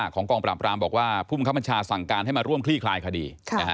กองปราบรามบอกว่าผู้บังคับบัญชาสั่งการให้มาร่วมคลี่คลายคดี